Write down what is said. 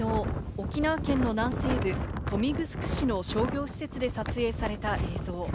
沖縄県の南西部・豊見城市の商業施設で撮影された映像。